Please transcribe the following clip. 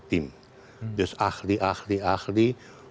tim terus ahli ahli ahli